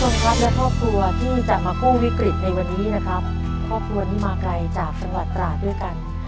คุณผู้ชมครับและครอบครัวเพิ่งจะมากู้วิกฤตในวันนี้นะครับครอบครัวนี้มาไกลจากจังหวัดตราดด้วยกัน